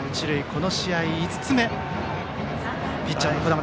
この試合５つ目ピッチャーの児玉。